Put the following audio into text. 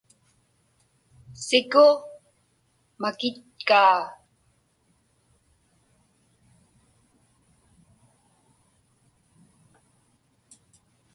Siku makitkaa.